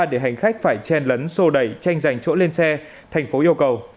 để hành khách phải chen lấn sô đẩy tranh giành chỗ lên xe thành phố yêu cầu